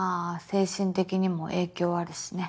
精神的にも影響あるしね。